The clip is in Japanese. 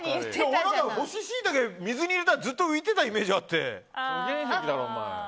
俺、干しシイタケ水に入れたらずっと浮いてたイメージがあって。